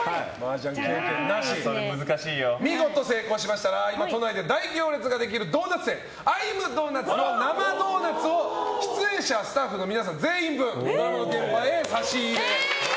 見事成功しましたら今、都内で大行列ができるドーナツ店Ｉ’ｍｄｏｎｕｔ？の生ドーナツを出演者、スタッフの皆さん全員分、現場へ差し入れ。